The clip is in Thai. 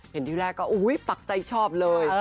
เห็นที่แรกก็อุ้ยปักใจชอบเลย